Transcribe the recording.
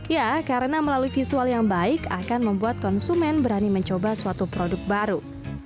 ya karena melalui visual yang baik akan membuat konsumen berani mencoba suatu produk baru